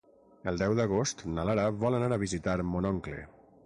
El deu d'agost na Lara vol anar a visitar mon oncle.